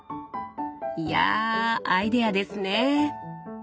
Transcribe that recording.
いやアイデアですね。